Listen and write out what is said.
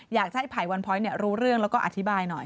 อยากให้ไผ่วันพ้อยรู้เรื่องแล้วก็อธิบายหน่อย